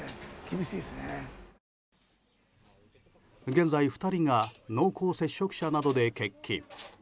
現在２人が濃厚接触者などで欠勤。